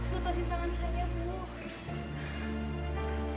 lepasin tangan saya dulu